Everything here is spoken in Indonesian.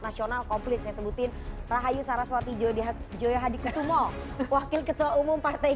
nasional komplit saya sebutin rahayu saraswati joya joya hadi kusumo wakil ketua umum partai